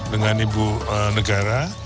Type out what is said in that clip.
dengan ibu negara